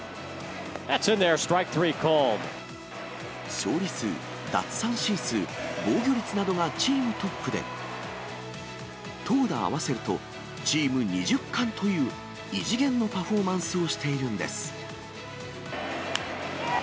勝利数、奪三振数、防御率などがチームトップで、投打合わせるとチーム２０冠という、異次元のパフォーマンスをしているんです。